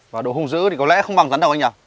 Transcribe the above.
và độ hùng dữ thì có lẽ không bằng rắn đầu anh à